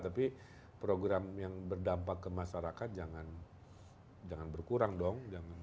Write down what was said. tapi program yang berdampak ke masyarakat jangan berkurang dong